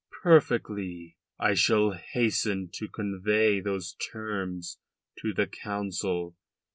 "Perfectly. I shall hasten to convey those terms to the Council.